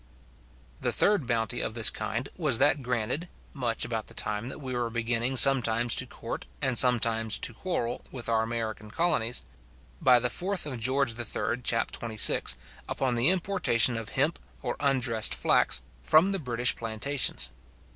The third bounty of this kind was that granted (much about the time that we were beginning sometimes to court, and sometimes to quarrel with our American colonies), by the 4th. Geo. III. chap. 26, upon the importation of hemp, or undressed flax, from the British plantations.